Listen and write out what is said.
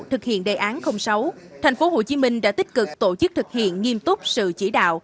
thực hiện đề án sáu tp hcm đã tích cực tổ chức thực hiện nghiêm túc sự chỉ đạo